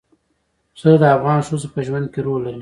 پسه د افغان ښځو په ژوند کې رول لري.